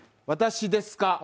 私ですか？